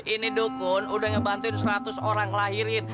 ini dukun udah ngebantuin seratus orang ngelahirin